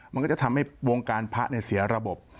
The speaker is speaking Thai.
มันก็จะทำให้วงการพระเสียระบบ